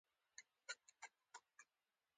دا نومونه د مغرضانو تخیل زېږولي دي.